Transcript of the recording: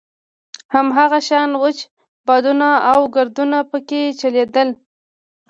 هماغه شان وچ بادونه او ګردونه په کې چلېدل.